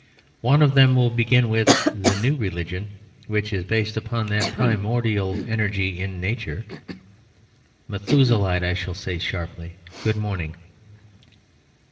One of them will begin, "The New Religion, which is based upon that Primordial Energy in Nature...." "Methuselahite," I shall say sharply; "good morning."